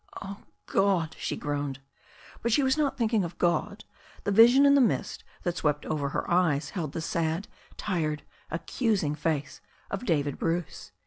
''Oh, God!" she groaned. But she was not thinking of God. The vision in the mist that swept over her eyes held the sad, tired, accusing face of David Bruce.